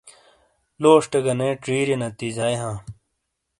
لوشٹے گہ نے چِیریئے نتیجائی ہاں ۔